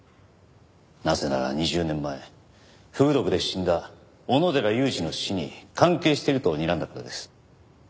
なぜなら２０年前フグ毒で死んだ小野寺雄二の死に関係しているとにらんだからです。